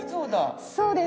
そうです。